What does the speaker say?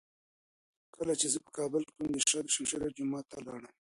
کله چي زه په کابل کي وم، د شاه دو شمشېره جومات ته لاړم.